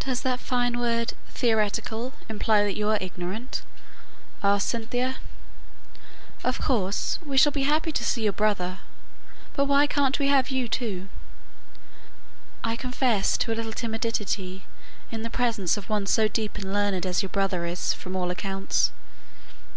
"Does that fine word 'theoretical' imply that you are ignorant?" asked Cynthia. "Of course we shall be happy to see your brother; but why can't we have you too? I confess to a little timidity in the presence of one so deep and learned as your brother is from all accounts.